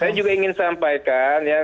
saya juga ingin sampaikan ya